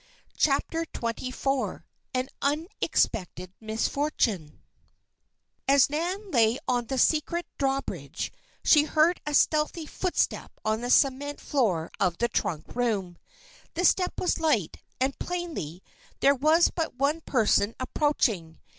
CHAPTER XXIV AN UNEXPECTED MISFORTUNE As Nan lay on the secret drawbridge, she heard a stealthy footstep on the cement floor of the trunk room. The step was light, and, plainly, there was but one person approaching.